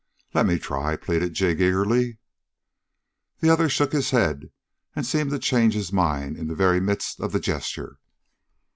"Let me try," pleaded Jig eagerly. The other shook his head and seemed to change his mind in the very midst of the gesture.